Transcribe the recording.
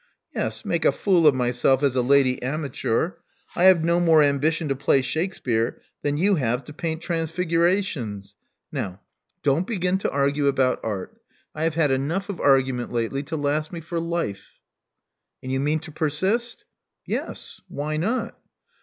'* Yes, make a fool of myself as a lady amateur! I have no more ambition to play Shakspere than you have to paint Transfigurations. Now, don't begin to Love Among the Artists 83 argue about Art. I have had enough of argument lately to last me for life. " And you mean to persist?" •'Yes. Why not?"